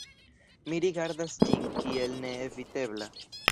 Mi rigardas ĝin kiel neevitebla.